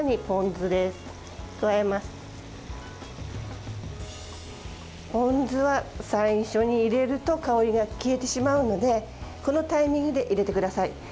ポン酢は最初に入れると香りが消えてしまうのでこのタイミングで入れてください。